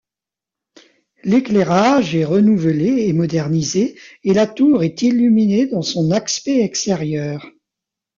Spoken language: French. L’éclairage est renouvelé et modernisé et la tour est illuminée dans son aspect extérieur.